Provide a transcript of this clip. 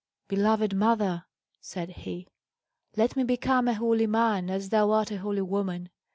"Beloved mother," said he, "let me become a holy man, as thou art a holy woman.